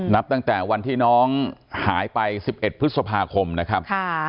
นับตั้งแต่วันที่น้องหายไป๑๑พฤษภาคมนะครับ